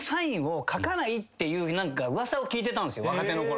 聞いてたんすよ若手の頃。